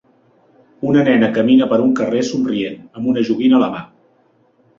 Una nena camina per un carrer somrient, amb una joguina a la mà.